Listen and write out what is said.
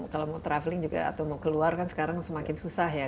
kalau mau traveling juga atau mau keluar kan sekarang semakin susah ya